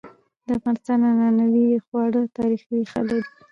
د افغانستان عنعنوي خواړه تاریخي ريښه لري.